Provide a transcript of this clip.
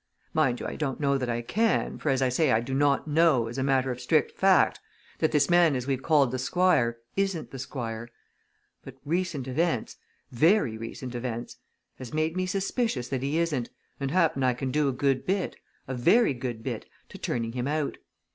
"Mind you, I don't know that I can, for as I say, I do not know, as a matter of strict fact, that this man as we've called the Squire, isn't the Squire. But recent events very recent events! has made me suspicious that he isn't, and happen I can do a good bit a very good bit to turning him out.